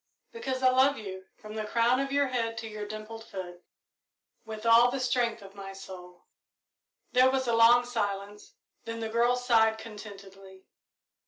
"Because I love you, from the crown of your head to your dimpled foot, with all the strength of my soul." There was a long silence, then the girl sighed contentedly.